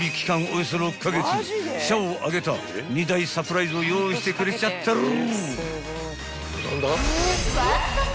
およそ６カ月社を挙げた２大サプライズを用意してくれちゃってる］